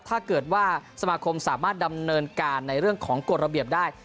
ถ้าเกิดว่าสมาคมสามารถดำเนินการในเรื่องของกฎระเบียบได้